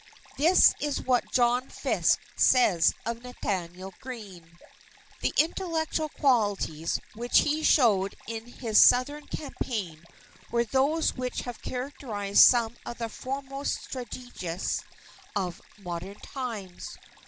This is what John Fiske says of Nathanael Greene: "The intellectual qualities which he showed in his southern campaign were those which have characterized some of the foremost strategists of modern times....